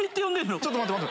ちょっと待って待って。